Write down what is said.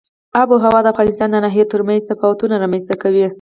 آب وهوا د افغانستان د ناحیو ترمنځ تفاوتونه رامنځ ته کوي.